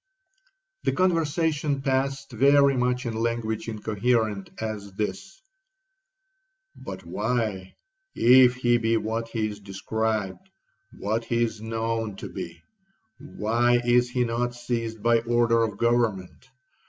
'The conversation passed very much in language incoherent as this:—'But why, if he be what he is described, what he is known to be,—why is he not seized by order of government?